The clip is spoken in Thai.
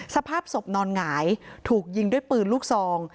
สภาพศพนอนหงายถูกยิงด้วยปืนลูกซอง